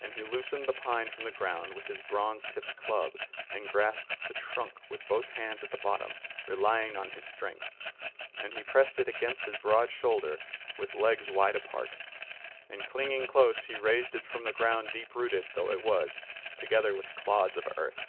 And he loosened the pine from the ground with his bronze tipped club and grasped the trunk with both hands at the bottom, relying on his strength; and he pressed it against his broad shoulder with legs wide apart; and clinging close he raised it from the ground deep rooted though it was, together with clods of earth.